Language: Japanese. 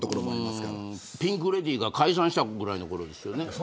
ピンクレディーが解散したぐらいのころですよね。